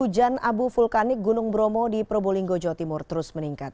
hujan abu vulkanik gunung bromo di probolinggo jawa timur terus meningkat